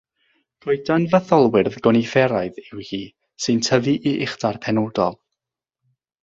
Coeden fytholwyrdd gonifferaidd yw hi, sy'n tyfu i uchder penodol.